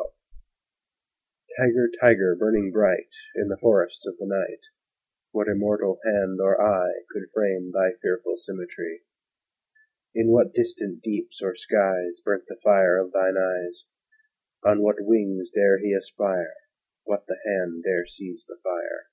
THE TIGER Tiger, tiger, burning bright In the forests of the night, What immortal hand or eye Could frame thy fearful symmetry? In what distant deeps or skies Burnt the fire of thine eyes? On what wings dare he aspire? What the hand dare seize the fire?